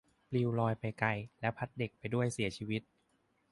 ปลิวลอยไปไกลและพัดเด็กไปด้วยเสียชีวิต